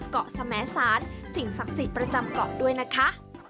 สมสารสิ่งศักดิ์สิทธิ์ประจำเกาะด้วยนะคะ